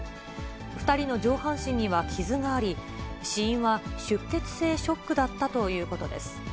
２人の上半身には傷があり、死因は出血性ショックだったということです。